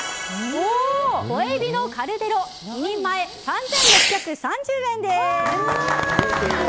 小海老のカルデロ２人前３６３０円です。